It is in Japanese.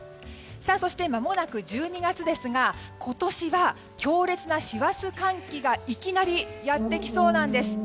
そしてまもなく１２月ですが今年は強烈な師走寒気がいきなりやってきそうなんです。